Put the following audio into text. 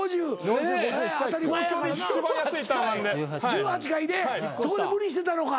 １８階でそこで無理してたのか。